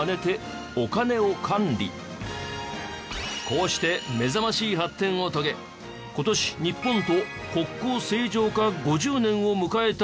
こうして目覚ましい発展を遂げ今年日本と国交正常化５０年を迎えた中国。